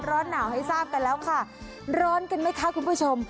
ร้อนหนาวให้ทราบกันแล้วค่ะร้อนกันไหมคะคุณผู้ชม